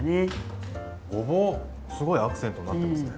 ごぼうすごいアクセントになってますね。